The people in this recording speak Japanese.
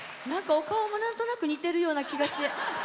お顔も、なんとなく似てるような気がして。